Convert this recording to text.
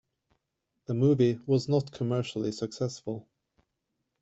The movie was not commercially successful.